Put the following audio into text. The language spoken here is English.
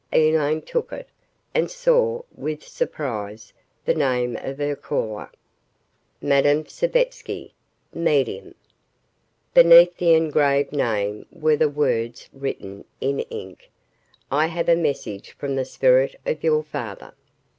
Elaine took it and saw with surprise the name of her caller: MADAME SAVETSKY, MEDIUM Beneath the engraved name were the words written in ink, "I have a message from the spirit of your father."